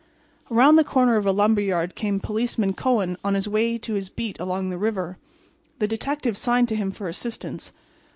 Around the corner of a lumber yard came Policeman Kohen on his way to his beat along the river. The detective signed to him for assistance.